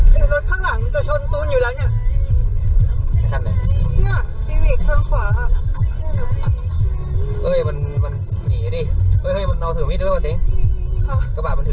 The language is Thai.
อุ้ยรถข้างหลังมันจะชนตูนอยู่แล้วเนี้ยเป็นขั้นไหนเหี้ยทีวิตข้างขวาก็ไม่รู้